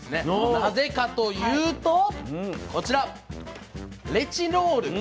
なぜかというとこちらレチノール。